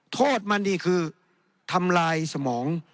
โทษมันนี่คือทำลายสมอง